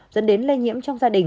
dẫn đến lây nhiễm trong gia đình